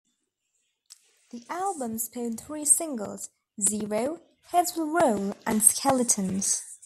The album spawned three singles: "Zero", "Heads Will Roll," and "Skeletons.